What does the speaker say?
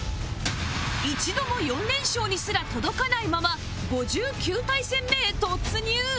一度も４連勝にすら届かないまま５９対戦目へ突入